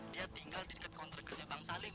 dia tinggal di deket kontrakernya bang salim